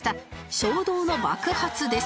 衝動の爆発です